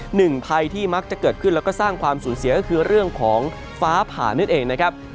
หนึ่งภัยที่มักจะเกิดขึ้นแล้วก็สร้างความสูญเสียก็คือเรื่องของฟ้าผ่านั่นเองนะครับ